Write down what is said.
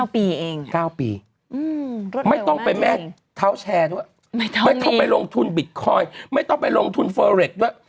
๙ปีไม่ต้องไปแม่เท้าแชร์ด้วยไม่ต้องไปลงทุนบิตคอยน์ไม่ต้องไปลงทุนเฟอร์เรคด้วย